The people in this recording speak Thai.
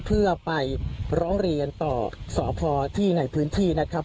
เพื่อไปร้องเรียนต่อสพที่ในพื้นที่นะครับ